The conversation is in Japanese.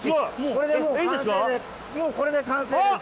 これでもう完成です。